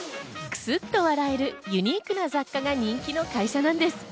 クスっと笑えるユニークな雑貨が人気の会社です。